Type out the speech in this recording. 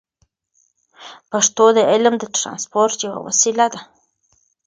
پښتو د علم د ترانسپورت یوه وسیله ده.